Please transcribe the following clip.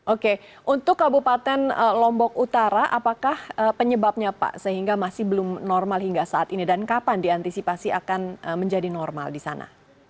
oke untuk kabupaten lombok utara apakah penyebabnya pak sehingga masih belum normal hingga saat ini dan kapan diantisipasi akan menjadi normal di sana